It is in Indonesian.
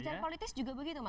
secara politis juga begitu mas